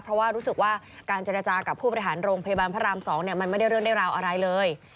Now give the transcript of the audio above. เพราะว่ารู้สึกว่าการเจรจากับผู้บริหารโรงพยาบาลพระราม๒มันไม่ได้เรื่องได้ราวอะไรเลย